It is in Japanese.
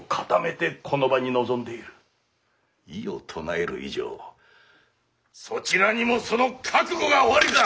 異を唱える以上そちらにもその覚悟がおありか！